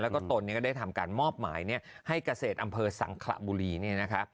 แล้วก็ตนก็ได้ทำการมอบหมายให้เกษตรอำเภอสังขระบุรีเนี่ยนะคะ